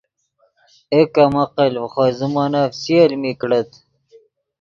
اے کم عقل ڤے خوئے زیمونف چی المی کڑیت